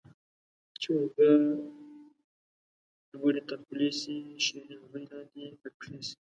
چي اوبه لوړي تر خولې سي ، شيرين زوى لاندي تر پښي سي